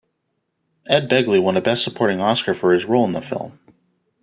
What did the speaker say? Ed Begley won a Best Supporting Oscar for his role in the film.